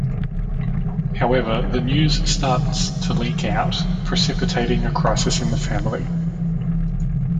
However, the news starts to leak out, precipitating a crisis in the family.